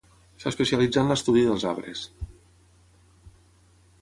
S'especialitzà en l'estudi dels arbres.